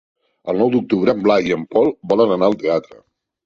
El nou d'octubre en Blai i en Pol volen anar al teatre.